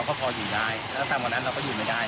แล้วเราก็พออยู่ได้แล้วตามวันนั้นเราก็อยู่ไม่ได้